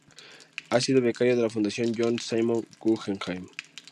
Ha sido becaria de la Fundación John Simon Guggenheim.